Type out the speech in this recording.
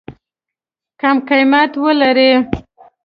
کم قیمت ولري.